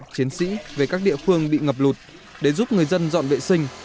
chiến sĩ về các địa phương bị ngập lụt để giúp người dân dọn vệ sinh